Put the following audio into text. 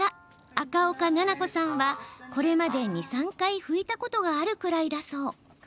赤岡奈々子さんはこれまで２、３回拭いたことがあるくらいだそう。